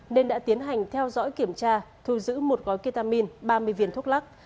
nên đã tiến hành theo dõi kiểm tra thu giữ một gói ketamin ba mươi viên thuốc lắc